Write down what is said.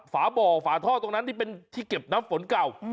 ฝาบ่อฝาท่อตรงนั้นที่เป็นที่เก็บน้ำฝนเก่า